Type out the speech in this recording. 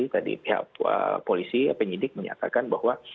tadi pihak polisi penyidik menyatakan bahwa